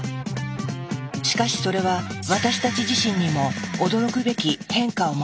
しかしそれは私たち自身にも驚くべき変化をもたらした。